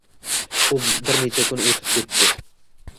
U bir necha kun o’tib ketdi.